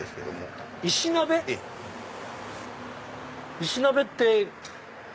石鍋って。